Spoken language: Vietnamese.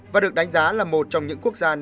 và được đánh giá là một trong những quốc gia nổi tiếng